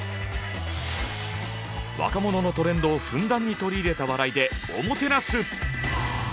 若者のトレンドをふんだんに取り入れた笑いでおもてなす！